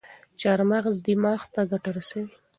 چارمغز دماغ ته ګټه رسوي.